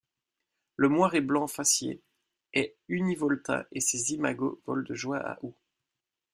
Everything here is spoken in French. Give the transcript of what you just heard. Le Moiré blanc-fascié est univoltin et ses imagos volent de juin à août.